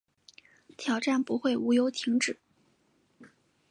挑战不会无由停止